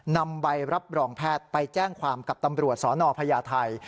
นำใบรับรองแพทย์ไปแจ้งความกับตำรวจสนพญาไทย